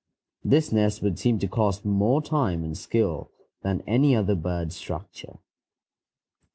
This nest would seem to cost more time and skill than any other bird structure.